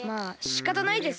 しかたないです。